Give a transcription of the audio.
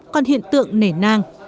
còn hiện tượng nể nang